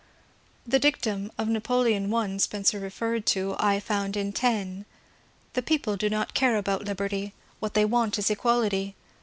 The dictum of Napoleon I Spencer referred to I found in Taine :*^ The people do not care about Liberty ; what they want is Equality.